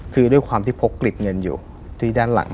คือด้วยความที่พกกลิดเงินอยู่ที่ด้านหลัง